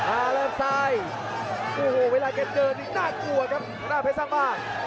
อ่าแล้วทรายโอ้โหเวลาเกมเดือดยิ่งน่ากลัวครับข้างหน้าแผนสร้างบ้าน